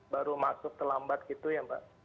baru masuk terlambat gitu ya mbak